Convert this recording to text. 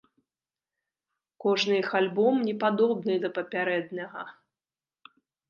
Кожны іх альбом не падобны да папярэдняга.